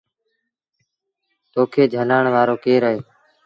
تو کي جھلآڻ وآرو ڪير اهي؟